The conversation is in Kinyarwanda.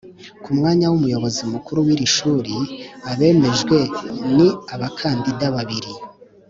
Ku mwanya w’Umuyobozi mukuru w’iri shuri, abemejwe ni abakandida babiri